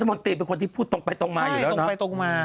รัฐมนตรีเป็นคนที่พูดตรงไปตรงมาอยู่แล้วนะ